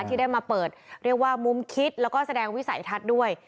ที่ได้มาเปิดเรียกว่ามุมคิดแล้วก็แสดงวิสัยทัศน์ด้วย